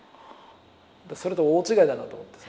それと大違いだなと思って。